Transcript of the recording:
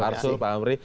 arsul pak amri